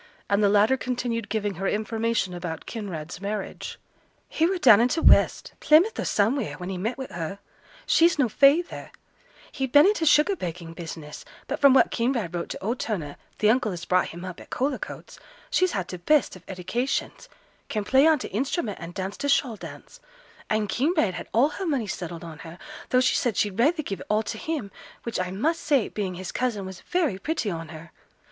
And the latter continued giving her information about Kinraid's marriage. 'He were down in t' west, Plymouth or somewheere, when he met wi' her. She's no feyther; he'd been in t' sugar baking business; but from what Kinraid wrote to old Turner, th' uncle as brought him up at Cullercoats, she's had t' best of edications: can play on t' instrument and dance t' shawl dance; and Kinraid had all her money settled on her, though she said she'd rayther give it all to him, which I must say, being his cousin, was very pretty on her.